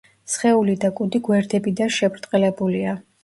სხეული და კუდი გვერდებიდან შებრტყელებულია.